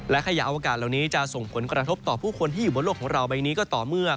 ขยะอวกาศเหล่านี้จะส่งผลกระทบต่อผู้คนที่อยู่บนโลกของเราใบนี้ก็ต่อเมื่อ